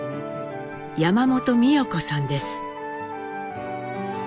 山本美代子さんです。